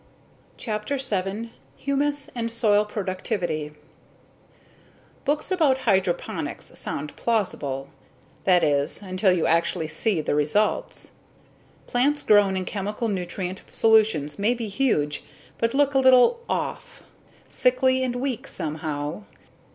CHAPTER SEVEN Humus and Soil Productivity Books about hydroponics sound plausible. That is, until you actually see the results. Plants grown in chemical nutrient solutions may be huge but look a little "off." Sickly and weak somehow.